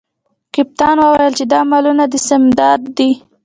کپتان وویل چې دا مالونه د سنباد دي.